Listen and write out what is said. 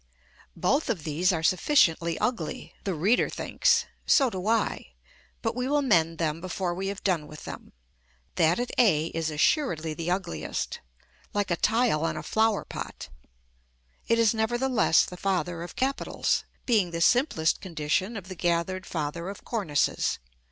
] Both of these are sufficiently ugly, the reader thinks; so do I; but we will mend them before we have done with them: that at a is assuredly the ugliest, like a tile on a flower pot. It is, nevertheless, the father of capitals; being the simplest condition of the gathered father of cornices.